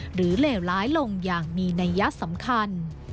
เลวร้ายลงอย่างมีนัยยะสำคัญ